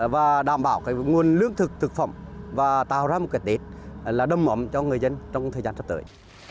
và đảm bảo nguồn lưỡng thực thực phẩm và tạo ra một cái tết đâm mỏm cho người dân trong thời gian sắp tới